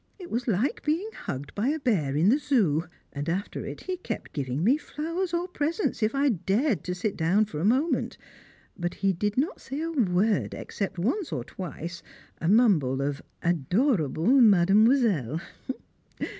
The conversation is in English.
It was like being hugged by a bear in the Zoo; and after it, he kept giving me flowers or presents if I dared to sit down for a moment, but he did not say a word except once or twice a mumble of "Adorable mademoiselle."